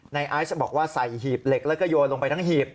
ไอซ์บอกว่าใส่หีบเหล็กแล้วก็โยนลงไปทั้งหีบ